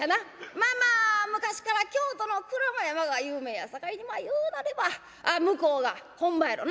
まあまあ昔から京都の鞍馬山が有名やさかいにまあ言うなれば向こうが本場やろな」。